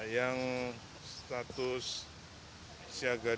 yang status siaga dua